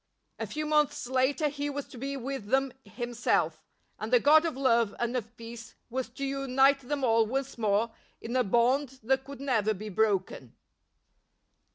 A few months later he was to be with them himself, and the God of love and of peace was to unite them aU once more in a bond that could never be broken.